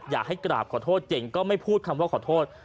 อยากให้กราบขอโทษเจ๋งก็ไม่พูดคำว่าขอโทษ